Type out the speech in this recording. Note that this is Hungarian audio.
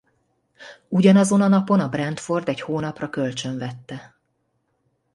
Ugyanazon a napon a Brentford egy hónapra kölcsönvette.